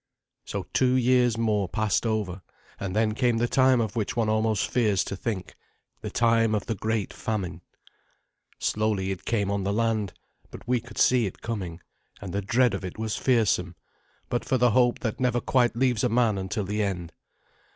So two years more passed over, and then came the time of which one almost fears to think the time of the great famine. Slowly it came on the land; but we could see it coming, and the dread of it was fearsome, but for the hope that never quite leaves a man until the end.